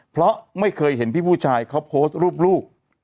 เพราะไม่เคยเห็นพี่ผู้ชายเขาโพสต์รูปลูก